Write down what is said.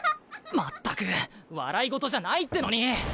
全く笑い事じゃないってのに。